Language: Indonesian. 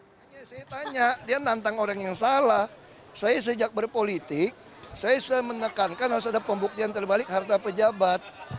makanya saya tanya dia nantang orang yang salah saya sejak berpolitik saya sudah menekankan harus ada pembuktian terbalik harta pejabat